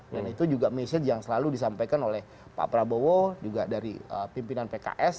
dan itu juga message yang selalu disampaikan oleh pak prabowo juga dari pimpinan pks